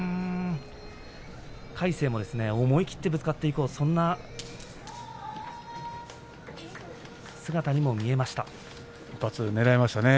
魁聖も思い切ってぶつかっていこうそんな姿に見えました。